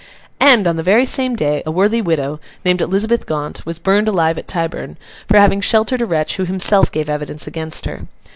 And on the very same day, a worthy widow, named Elizabeth Gaunt, was burned alive at Tyburn, for having sheltered a wretch who himself gave evidence against her.